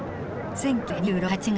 １９２６年８月。